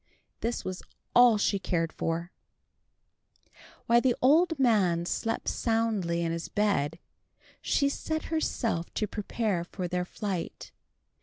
This was all she cared for. While the old man slept soundly in his bed, she set herself to prepare for their flight.